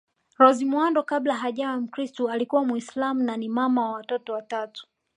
Rose Muhando kabla hajawa mkristo alikuwa Muislam na ni mama wa watoto watatu